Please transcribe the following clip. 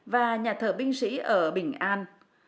và nhà thờ binh sĩ ở bình an